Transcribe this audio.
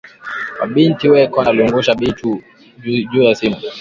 Wa binti weko na lungusha bitu juya simu